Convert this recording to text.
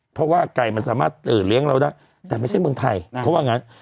เพราะว่าไก่มันสามารถเลี้ยงเราได้แต่ไม่ใช่เมืองไทยเขาว่างั้น